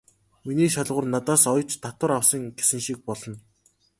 Миний шалгуур надаас оёж татвар авсан" гэсэн шиг болно.